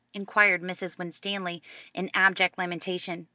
inquired Mrs. Winstanley in abject lamentation.